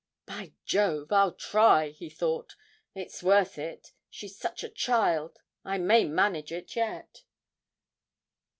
'By Jove, I'll try!' he thought; 'it's worth it she's such a child I may manage it yet!'